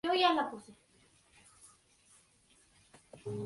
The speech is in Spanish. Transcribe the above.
Actualmente se encuentra en el Museo Diocesano de Cortona, Toscana.